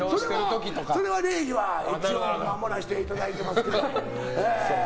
その礼儀は一応守らせていただいています。